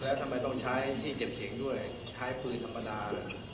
แล้วทำไมต้องใช้ที่เก็บเสียงด้วยใช้ปืนธรรมดา